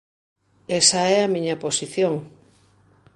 Esa é a miña posición.